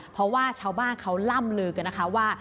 เพราะว่าชาวบ้านเขาล่ำลือกันนะคะว่า